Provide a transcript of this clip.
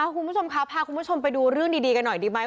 คุณผู้ชมครับพาคุณผู้ชมไปดูเรื่องดีกันหน่อยดีไหม